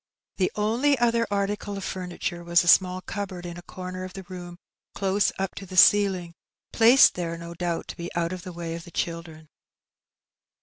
The only other article of furniture was a small cupboard in a comer of the room close up to the ceiling, placed there, no doubt, to be out of the way of the children.